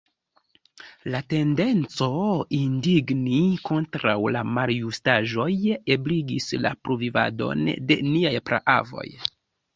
La tendenco indigni kontraŭ maljustaĵoj ebligis la pluvivadon de niaj praavoj.